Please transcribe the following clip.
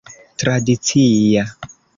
tradicia